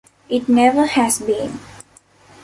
It never has been.